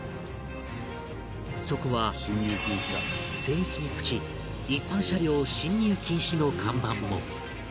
そこは聖域につき一般車両進入禁止の看板も